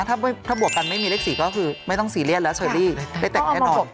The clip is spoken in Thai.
ถ้าบวกกันไม่มีเลข๔ก็คือไม่ต้องซีเรียสแล้วเชอรี่ได้แต่งแน่นอน